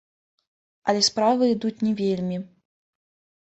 Але справы ідуць не вельмі.